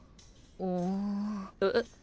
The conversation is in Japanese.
うんえっ？